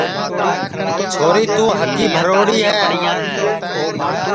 چھوری تو ہگی بھروڑی ہے